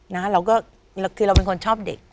เราก็คือเราเป็นคนชอบเด็ก